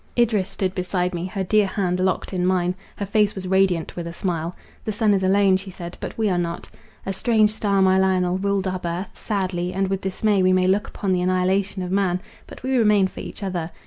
Idris stood beside me, her dear hand locked in mine. Her face was radiant with a smile.—"The sun is alone," she said, "but we are not. A strange star, my Lionel, ruled our birth; sadly and with dismay we may look upon the annihilation of man; but we remain for each other.